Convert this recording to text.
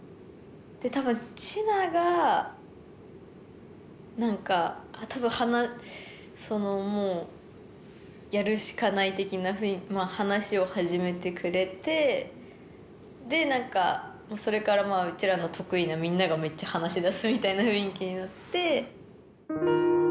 多分ちなが何かそのもうやるしかない的な話を始めてくれてで何かそれからうちらの得意のみんながめっちゃ話し出すみたいな雰囲気になって。